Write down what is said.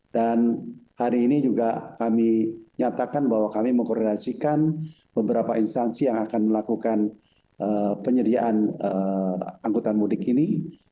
dan hari ini juga kami nyatakan bahwa kami mengkoordinasikan beberapa instansi yang akan melakukan penyediaan angkutan mudik ini